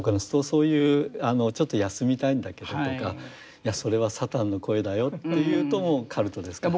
そういう「ちょっと休みたいんだけど」とか「いやそれはサタンの声だよ」というともうカルトですか。